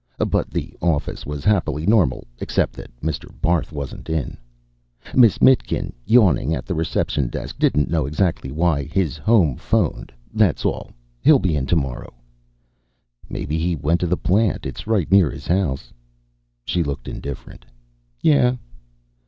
But the office was happily normal except that Mr. Barth wasn't in. Miss Mitkin, yawning at the reception desk, didn't know exactly why. "His home phoned, that's all. He'll be in tomorrow." "Maybe he went to the plant. It's right near his house." She looked indifferent. "Yeah."